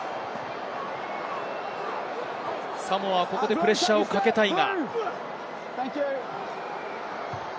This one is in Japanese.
サモア、ここでプレッシャーをかけたいが。